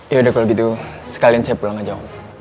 ya udah kalau gitu sekalian saya pulang aja